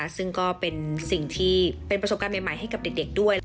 ซึ่งก็เป็นสิ่งที่เป็นประสบการณ์ใหม่ให้กับเด็กด้วย